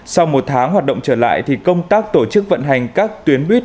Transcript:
sau một tháng hoạt động trở lại thì công tác tổ chức vận hành các tuyến buýt